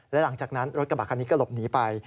และหลังจากนั้นรถกระบะคันนี้ก็หลบหนีไป